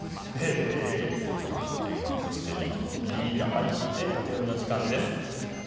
世紀の発見そして今の「イ」が入ってタテヨミの時間です。